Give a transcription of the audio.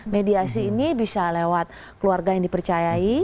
mediasi ini bisa lewat keluarga yang dipercayai